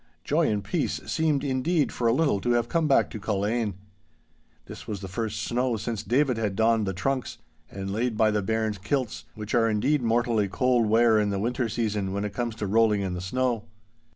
Joy and peace seemed indeed for a little to have come back to Culzean. This was the first snow since David had donned the trunks, and laid by the bairn's kilts—which are indeed mortally cold wear in the winter season when it comes to rolling in the snow.